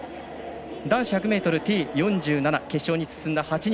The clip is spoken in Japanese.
男子１００ｍＴ４７決勝に進んだ８人。